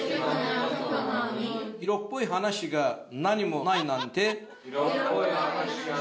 色っぽい話が何もないなんて。